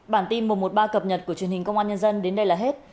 bản tin một trăm một mươi ba cập nhật của truyền hình công an nhân dân đến đây là hết